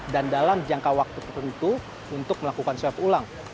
dan dalam jangka waktu tertentu untuk melakukan swab ulang